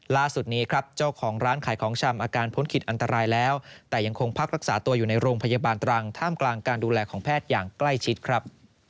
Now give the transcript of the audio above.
ล่าสุดนี้ครับเจ้าของร้านขายของชำอาการพ้นขิดอันตรายแล้วแต่ยังคงพักรักษาตัวอยู่ในโรงพยาบาลตรังท่ามกลางการดูแลของแพทย์อย่างใกล้ชิดครับ